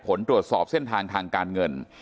เพื่อต้องการทดสอบเส้นทางทางการเงิน